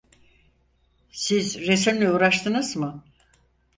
Siz resimle uğraştınız mı?